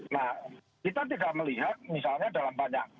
nah kita tidak melihat misalnya dalam banyak